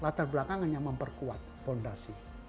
latar belakang hanya memperkuat fondasi